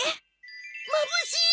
まぶしい！